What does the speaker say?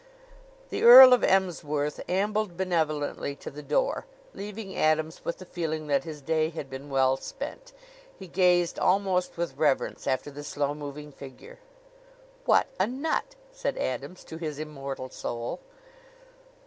The Earl of Emsworth ambled benevolently to the door, leaving Adams with the feeling that his day had been well spent. He gazed almost with reverence after the slow moving figure. "What a nut!" said Adams to his immortal soul.